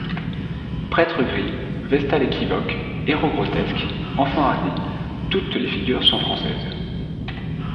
Prêtres gris, vestales équivoques, héros grotesques, enfants hardis, toutes les figures sont françaises.